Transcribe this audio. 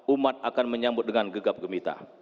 umat akan menyambut dengan gegap gemita